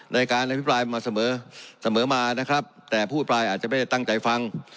ในการอภิปรายมาเสมอเสมอมานะครับแต่ผู้อภิปรายอาจจะไม่ได้ตั้งใจฟัง